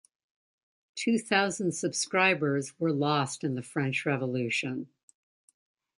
Two thousand subscribers were lost in the French Revolution.